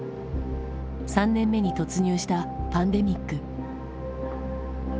３年目に突入したパンデミック。